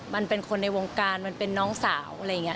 มันเป็นคนในวงการมันเป็นน้องสาวอะไรอย่างนี้